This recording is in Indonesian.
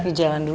mari jalan dulu